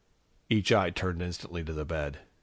Each eye turned instantly to the bed.